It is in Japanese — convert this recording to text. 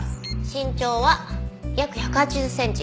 身長は約１８０センチ。